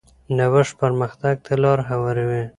نوښت پرمختګ ته لار هواروي.